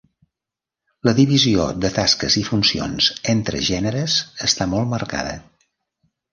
La divisió de tasques i funcions entre gèneres està molt marcada.